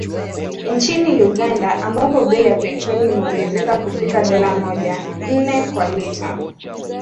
Nchini Uganda, ambapo bei ya petroli imeongezeka kufikia dola moja ,nne kwa lita